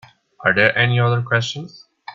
Are there any other questions?